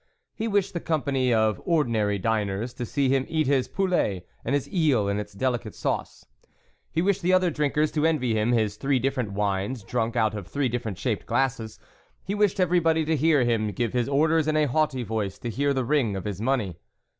He wished the company of ordinary diners to see him eat his pullet, and his eel in its delicate sauce. He THE WOLF LEADER 77 wished the other drinkers to envy him his three different wines, drunk out of three different shaped glasses. He wished everybody to hear him give his orders in a haughty voice, to hear the ring of his money.